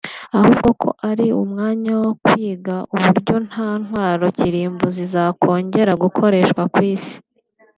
ahubwo ko ari umwanya wo kwiga uburyo nta ntwaro kirimbuzi zakongera gukoreshwa ku isi